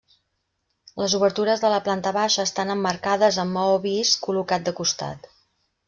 Les obertures de la planta baixa estan emmarcades amb maó vist col·locat de costat.